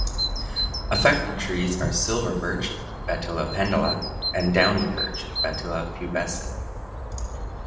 Affected trees are silver birch ("Betula pendula") and downy birch ("Betula pubescens").